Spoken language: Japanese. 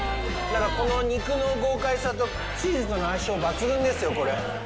この肉の豪快さとチーズとの相性が抜群ですよ、これ。